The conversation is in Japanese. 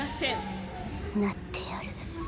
なってやる。